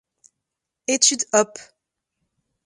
Étude op.